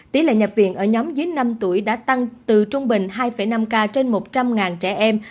tỷ lệ nhập viện ở nhóm dưới năm tuổi đã tăng từ trung bình hai năm ca trên một trăm linh trẻ em